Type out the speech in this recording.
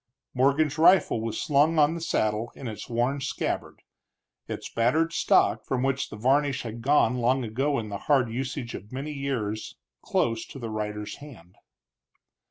Morgan's rifle was slung on the saddle in its worn scabbard, its battered stock, from which the varnish had gone long ago in the hard usage of many years, close to the rider's hand.